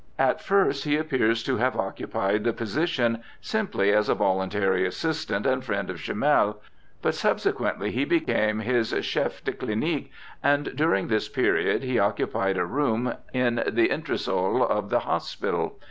At first he appears to have occupied the position simply as a voluntary assistant and friend of Chomel, but sub sequently he became his chef de clinique, and during this period he occupied a room in the entresol of the hospital.